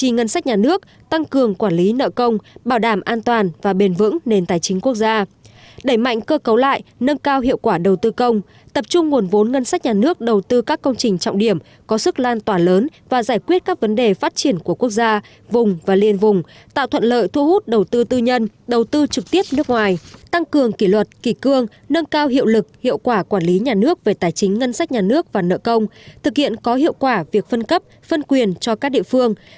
ngân sách nhà nước tăng cường quản lý nợ công bảo đảm an toàn và bền vững nền tài chính quốc gia đẩy mạnh cơ cấu lại nâng cao hiệu quả đầu tư công tập trung nguồn vốn ngân sách nhà nước đầu tư các công trình trọng điểm có sức lan toàn lớn và giải quyết các vấn đề phát triển của quốc gia vùng và liên vùng tạo thuận lợi thu hút đầu tư tư nhân đầu tư trực tiếp nước ngoài tăng cường kỷ luật kỷ cương nâng cao hiệu lực hiệu quả quản lý nhà nước về tài chính ngân sách nhà nước và nợ công thực hiện có hiệu quả việc phân cấp